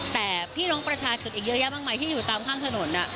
แต่พี่น้องประชาชนอีกเยอะแยะมากมายที่อยู่ตามข้างถนน